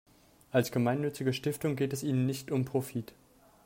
Als gemeinnützige Stiftung geht es ihnen nicht um Profit.